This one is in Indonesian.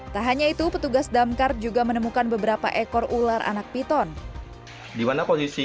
tak hanya itu petugas damkar juga menemukan beberapa ekor ular anak piton dimana kondisi